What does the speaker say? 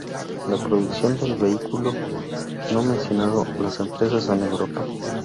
La Producción del Vehículo, no mencionado, las Empresas en Europa.